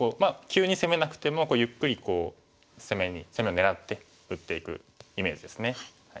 急に攻めなくてもゆっくりこう攻めを狙って打っていくイメージですね。